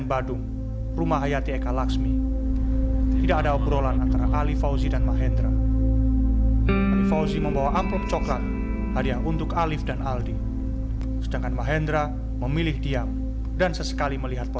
saya tidak mengajukan pertemuan ini semakin dekat